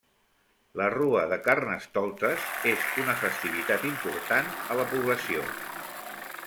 La rua de carnestoltes és una festivitat important a la població.